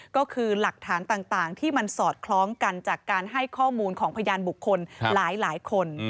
ก็คือหลักฐานต่างที่มันสอดคล้องกันจากการให้ข้อมูลของพยานบุคคลหลายคน